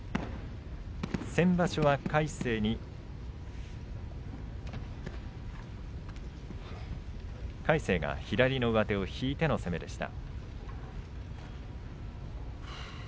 先場所は魁聖が左の上手を引いての攻めでした。